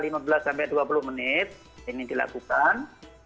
nah lima belas dua puluh menit ini dilakukan